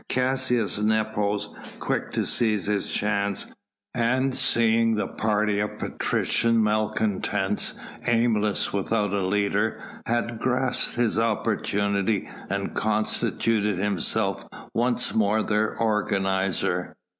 Caius Nepos, quick to seize his chance, and seeing the party of patrician malcontents aimless without a leader, had grasped his opportunity and constituted himself once more their organiser.